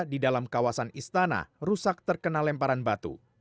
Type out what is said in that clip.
di dalam kawasan istana rusak terkena lemparan batu